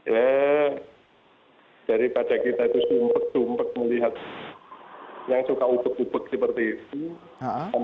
ya daripada kita itu sumpit sumpit melihat yang suka uput uput seperti ini